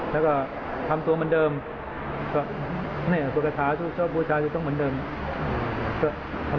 แล้วก็ทำตัวเหมือนเดิม